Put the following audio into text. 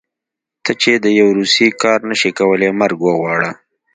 ته چې د يو روسي کار نشې کولی مرګ وغواړه.